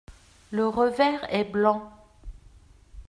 Le revers est blanc.